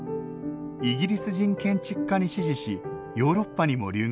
イギリス人建築家に師事しヨーロッパにも留学。